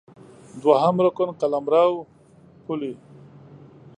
دوهم رکن قلمرو ، پولې